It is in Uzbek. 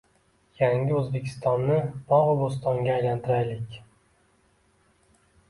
Yangi O‘zbekistonni bog‘u bo‘stonga aylantiraylik!ng